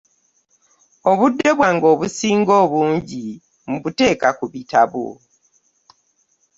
Obudde bwange obusinga obungi mbuteeka ku bitabo.